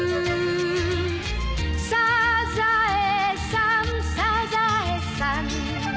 「サザエさんサザエさん」